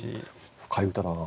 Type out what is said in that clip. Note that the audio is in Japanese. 深い歌だな。